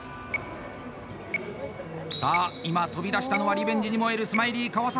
さあ今、飛び出したのはリベンジに燃えるスマイリー川里。